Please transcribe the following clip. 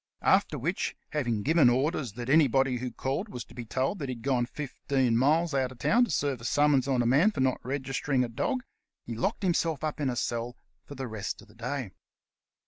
After which, having given orders that any body who called was to be told that he had gone fifteen miles out of town to serve a summons on a man for not registering a dog, he locked himself up in a cell for the rest of the day.